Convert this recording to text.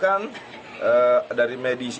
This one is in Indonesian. kan juga aku saja punya murid